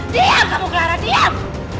diam kamu clara diam